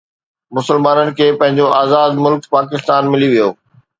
مسلمانن کي پنهنجو آزاد ملڪ پاڪستان ملي ويو